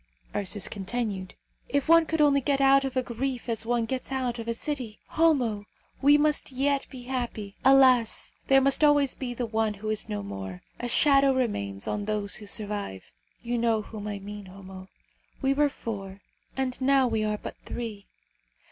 Ursus continued, "If one could only get out of a grief as one gets out of a city! Homo, we must yet be happy. Alas! there must always be the one who is no more. A shadow remains on those who survive. You know whom I mean, Homo. We were four, and now we are but three.